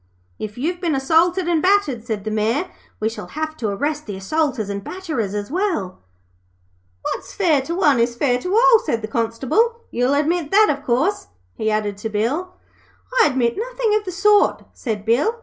'If you've been assaulted and battered,' said the Mayor, 'we shall have to arrest the assaulters and batterers, as well.' 'What's fair to one is fair to all,' said the Constable. 'You'll admit that, of course?' he added to Bill. 'I admit nothin' of the sort,' said Bill.